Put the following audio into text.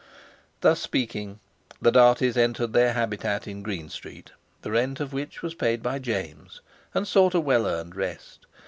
Thus speaking, the Darties entered their habitat in Green Street, the rent of which was paid by James, and sought a well earned rest.